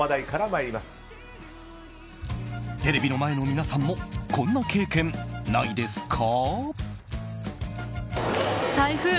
テレビの前の皆さんもこんな経験、ないですか？